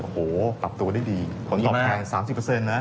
โอ้โหปรับตัวได้ดีผลตอบแทน๓๐นะ